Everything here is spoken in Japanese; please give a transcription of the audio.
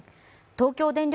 東京電力